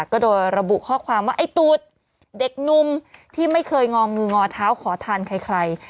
ก็โดยระบุข้อความว่าไอ้ตูดเด็กหนุ่มที่ไม่เคยงอมืองอเท้าขอทานใคร